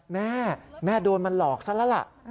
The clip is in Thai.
แม่แม่โดนมาหลอกซะแล้วล่ะ